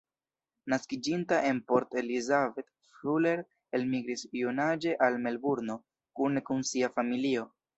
Naskiĝinta en Port Elizabeth, Fuller elmigris junaĝe al Melburno kune kun sia familio.